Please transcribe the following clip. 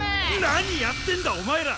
何やってんだお前ら！